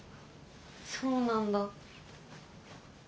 そうなんだ。